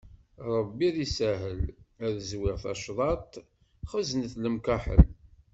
Ṛebbi ad isahel, ad zwiɣ tacḍaṭ xeznet lemkaḥel.